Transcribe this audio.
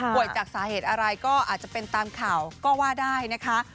จากสาเหตุอะไรก็อาจจะเป็นตามข่าวก็ว่าได้นะคะ